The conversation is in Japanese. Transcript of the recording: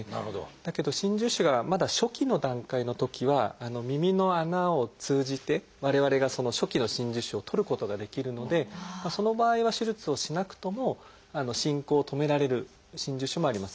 だけど真珠腫がまだ初期の段階のときは耳の穴を通じて我々がその初期の真珠腫を取ることができるのでその場合は手術をしなくとも進行を止められる真珠腫もあります。